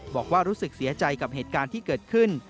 บอกว่ารู้สึกเสียใจกับเหตุการณ์ที่เกิดขึ้น